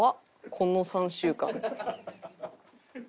この３週間。